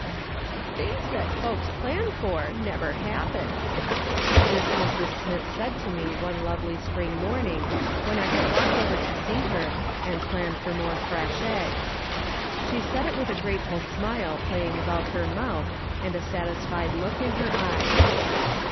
" Things that folks plan for never happen." This Mrs. Smith said to me one lovely spring morning, ^vhen I had walked over to see her, and plan for more fresh eggs. She said it with a grateful smile playing around her mouth and a satisfied look in her eyes.